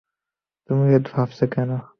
তুমি হয়ত ভাবছ কেন।